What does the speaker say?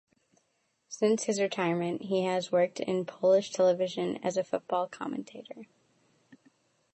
Since his retirement, he has worked in Polish television as a football commentator.